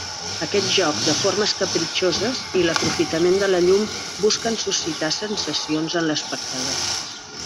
Aquest joc de formes capritxoses i l'aprofitament de la llum busquen suscitar sensacions en l'espectador.